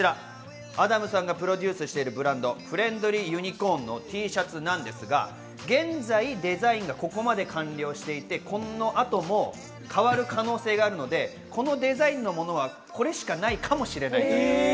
こちらアダムさんのプロデュースしているブランド、フレンドリー・ユニコーンのＴシャツなんですが、現在、デザインがここまで完了していて、この後も変わる可能性があるので、このデザインのものはこれしかないかもしれません。